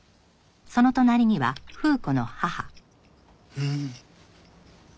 うん。